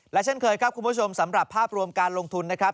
และเช่นเคยครับคุณผู้ชมสำหรับภาพรวมการลงทุนนะครับ